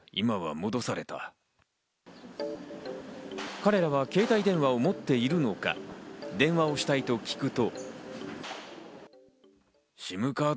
彼らは携帯電話を持っているのか、電話をしたいと聞くと。